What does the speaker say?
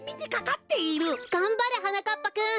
がんばれはなかっぱくん！